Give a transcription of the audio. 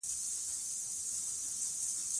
لوگر د افغان نجونو د پرمختګ لپاره فرصتونه برابروي.